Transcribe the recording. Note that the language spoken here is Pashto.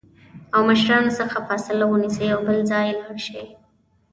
او مشرانو څخه فاصله ونیسي او بل ځای لاړ شي